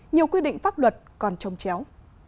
nhiều quy định pháp luật còn trông chéo